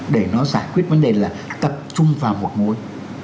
để nó giải quyết vấn đề là tập trung vào một mối